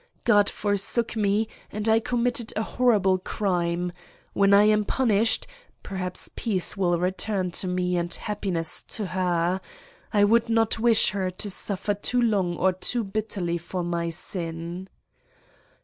"God forsook me and I committed a horrible crime. When I am punished, perhaps peace will return to me and happiness to her. I would not wish her to suffer too long or too bitterly for my sin."